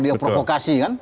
dia provokasi kan